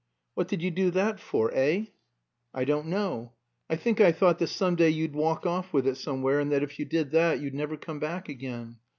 "What did you do that for, eh?" "I don't know. I think I thought that some day you'd walk off with it somewhere, and that if you did that, you'd never come back again.